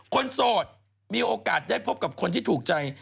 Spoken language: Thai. โสดมีโอกาสได้พบกับคนที่ถูกใจ